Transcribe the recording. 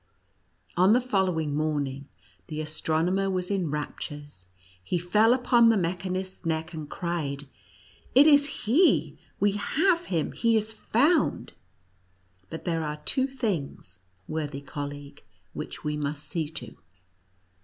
On the following morning the astronomer was in raptures: he fell upon the mechanist's neck, and cried, "It is he — we have him — he is found! But there are two things, worthy colleague, which we must see to.